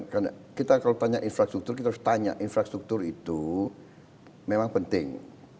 karena kita kalau tanya infrastruktur kita harus tanya infrastruktur itu memang penting